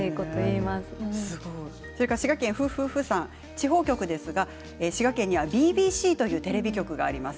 地方局ですが、滋賀県にはＢＢＣというテレビ局があります。